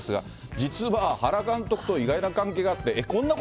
実は、原監督と意外な関係があって、えっ？